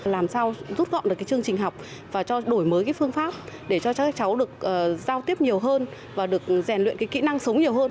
làm sao rút gọn được cái chương trình học và cho đổi mới cái phương pháp để cho các cháu được giao tiếp nhiều hơn và được rèn luyện kỹ năng sống nhiều hơn